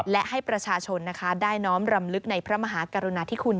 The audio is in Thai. และให้ประชาชนนะคะได้น้อมรำลึกในพระมหากรุณาธิคุณ